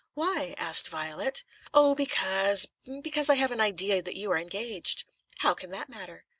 "Why?" asked Violet. "Oh, because because I have an idea that you are engaged." "How can that matter?"